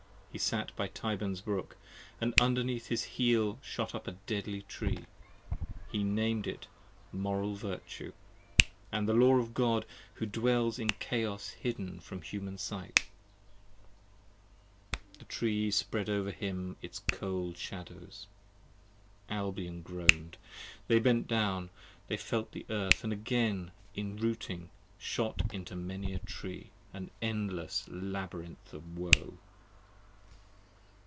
He sat by Tyburn's brook, and underneath his heel shot up 15 A deadly Tree: he nam'd it Moral Virtue, and the Law Of God who dwells in Chaos hidden from the human sight. The Tree spread over him its cold shadows, (Albion groan'd) They bent down, they felt the earth and again enrooting Shot into many a Tree: an endless labyrinth of woe!